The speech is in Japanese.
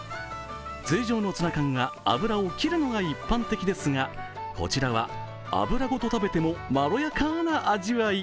通常のツナ缶は油を切るのが一般的ですがこちらは油ごと食べてもまろやかな味わい。